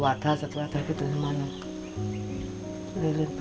jika diamonds itu tidak ada mereka harus menggantungnya